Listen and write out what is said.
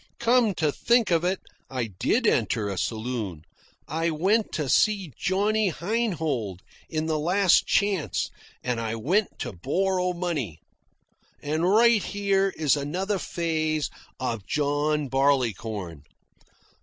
Come to think of it, I did enter a saloon. I went to see Johnny Heinhold in the Last Chance, and I went to borrow money. And right here is another phase of John Barleycorn.